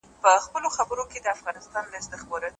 ما هم لرله په زړه کي مینه